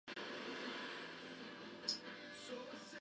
El vídeo clip del sencillo fue dirigido por Brett Ratner.